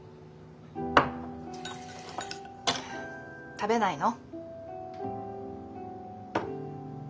食べないの？